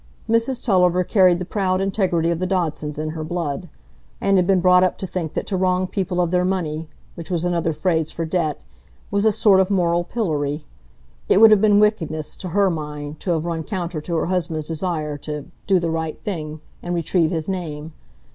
Mrs Tulliver carried the proud integrity of the Dodsons in her blood, and had been brought up to think that to wrong people of their money, which was another phrase for debt, was a sort of moral pillory; it would have been wickedness, to her mind, to have run counter to her husband's desire to "do the right thing," and retrieve his name.